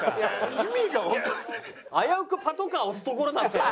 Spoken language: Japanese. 危うくパトカー押すところだったよ。